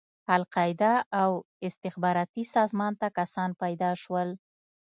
القاعده او استخباراتي سازمان ته کسان پيدا شول.